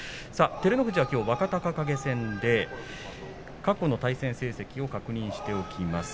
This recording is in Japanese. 照ノ富士はきょう若隆景戦過去の対戦成績を確認しておきます。